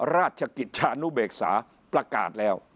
ราชกิจชานุเบกษาประกาศแล้ว